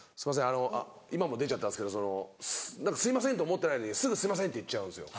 あの今も出ちゃったんですけどすいませんと思ってないのにすぐすいませんって言っちゃうんですよ。